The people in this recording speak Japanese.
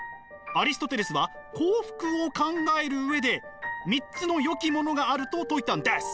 アリストテレスは幸福を考える上で３つの善きものがあると説いたんです。